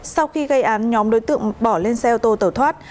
sau khi gây án nhóm đối tượng bỏ lên xe ô tô tẩu thoát